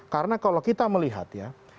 karena kalau kita melihat ya